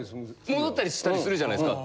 戻ったりしたりするじゃないですか。